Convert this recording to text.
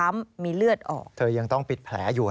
มันเกิดเหตุเป็นเหตุที่บ้านกลัว